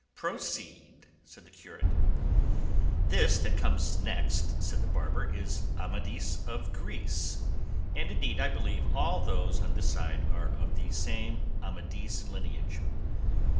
"Proceed," said the curate. "This that comes next," said the barber, "is 'Amadis of Greece,' and, indeed, I believe all those on this side are of the same Amadis lineage."